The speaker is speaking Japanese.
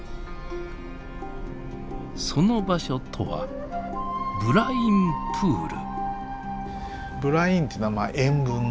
その場所とはブラインプール。